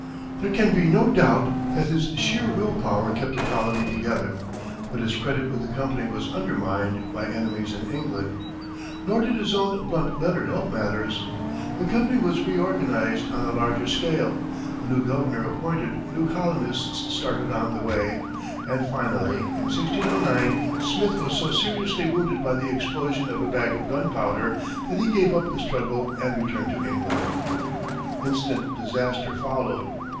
There can be no doubt that his sheer will power kept the colony together, but his credit with the company was undermined by enemies in England, nor did his own blunt letter help matters. The company was re organized on a larger scale, a new governor appointed, new colonists started on the way; and, finally, in 1609, Smith was so seriously wounded by the explosion of a bag of gun powder, that he gave up the struggle and returned to England. Instant disaster followed.